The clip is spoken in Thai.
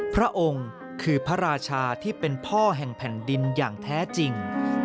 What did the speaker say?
พระองค์คือพระราชาที่เป็นพ่อแห่งแผ่นดินอย่างแท้จริง